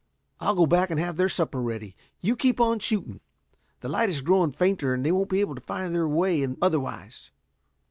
I'll go back and have their supper ready. You keep on shooting. The light is growing fainter and they won't be able to find their way in otherwise."